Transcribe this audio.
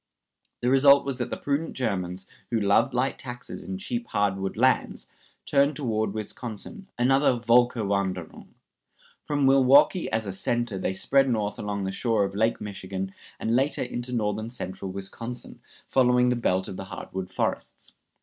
The result was that the prudent Germans, who loved light taxes and cheap hard wood lands, turned toward Wisconsin, another Völkerwanderung. From Milwaukee as a center they spread north along the shore of Lake Michigan, and later into northern central Wisconsin, following the belt of the hardwood forests.